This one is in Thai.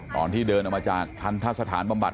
ตอนที่เดินออกมาจากทันทะสถานบำบัด